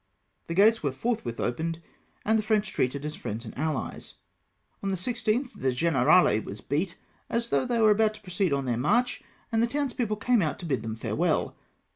The gates were forth'\vith opened, and the French treated as friends and alUes. On the IGth, the gencrale was beat, as though they were about to pro ceed on their march, and the townspeople came out to bid them farewell.